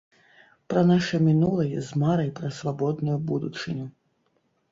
Пра наша мінулае з марай пра свабодную будучыню.